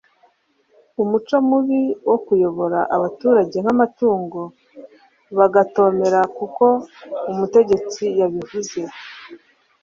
umuco mubi wo kuyobora abaturage nk'amatungo bagatomera kuko umutegetsi yabivuze